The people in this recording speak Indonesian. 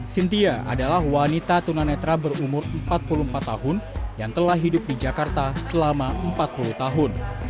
cynthia adalah wanita tunanetra berumur empat puluh empat tahun yang telah hidup di jakarta selama empat puluh tahun